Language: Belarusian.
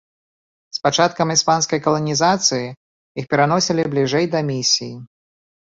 З пачаткам іспанскай каланізацыі іх пераносілі бліжэй да місій.